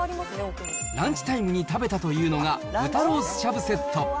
ランチタイムに食べたというのが、豚ロースしゃぶセット。